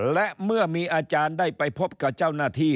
และเมื่อมีอาจารย์ได้ไปพบกับเจ้าหน้าที่